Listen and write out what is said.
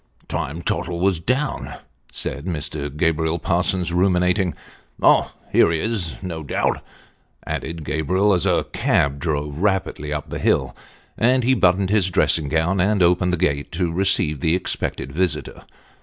" Time Tottle was down," said Mr. Gabriel Parsons, ruminating " Oh, here he is, no doubt," added Gabriel, as a cab drove rapidly up the hill ; and he buttoned his dressing gown, and opened the gate to receive the expected visitor.